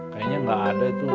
kayaknya gak ada tuh